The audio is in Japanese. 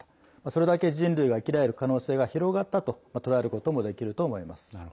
それだけ人類が生きられる可能性が広がったと捉えることもできると思います。